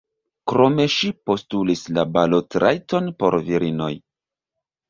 Krome ŝi postulis la balotrajton por virinoj.